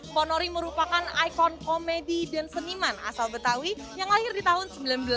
ponori merupakan ikon komedi dan seniman asal betawi yang lahir di tahun seribu sembilan ratus delapan puluh